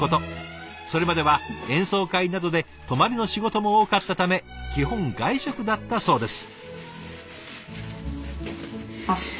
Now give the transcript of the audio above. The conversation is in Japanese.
それまでは演奏会などで泊まりの仕事も多かったため基本外食だったそうです。